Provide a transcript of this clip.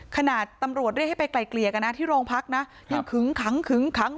ขนาดตำรวจเรียกให้ไปไกลเกลี่ยกันนะที่โรงพักนะยังขึ้งขังขึ้งขัง